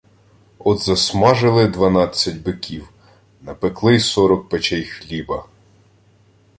От засмажили дванадцять биків, напекли сорок печей хліба.